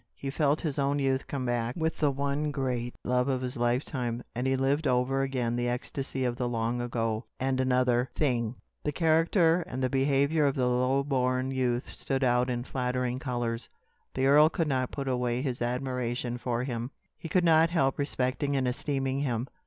He felt his own youth come back, with the one great love of his lifetime; and he lived over again the ecstasy of the long ago. And another thing the character and the behavior of the low born youth stood out in flattering colors. The earl could not put away his admiration for him; he could not help respecting and esteeming him.